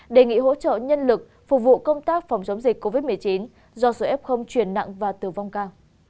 đề nghị hỗ trợ nhân lực phục vụ công tác phòng chống dịch covid một mươi chín do sự f truyền nặng và tử vong cao